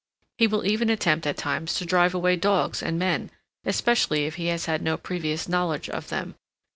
He will even attempt at times to drive away dogs and men, especially if he has had no previous knowledge of them.